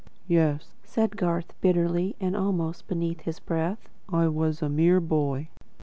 "Yes," said Garth bitterly, but almost beneath his breath. "I was 'a mere boy.'"